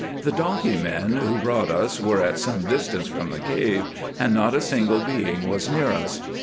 The donkey men, who brought us, were at some distance from the cave, and not a single being was near us.